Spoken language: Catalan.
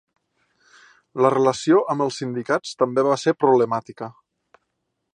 La relació amb els sindicats també va ser problemàtica.